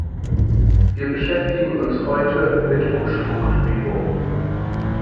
Wir beschäftigen uns heute mit Umstrukturierung.